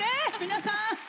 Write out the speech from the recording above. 皆さん！